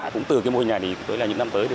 cũng từ cái mô hình này tới là những năm tới